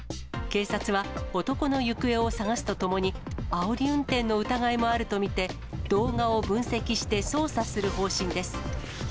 警察は、男の行方を捜すとともに、あおり運転の疑いもあると見て、動画を分析して捜査する方針です。